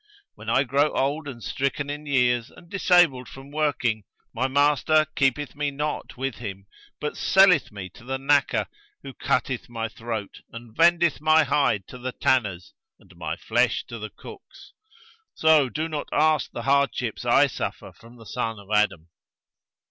When I grow old and stricken in years and disabled from working, my master keepeth me not with him, but selleth me to the knacker who cutteth my throat and vendeth my hide to the tanners and my flesh to the cooks: so do not ask the hardships I suffer from the son of Adam.'